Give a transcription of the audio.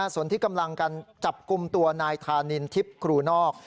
ส่วนที่กำลังกันจับกลุ่มตัวนายธานินทิพย์ครูนอก